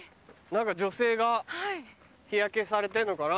何か女性が日焼けされてんのかな？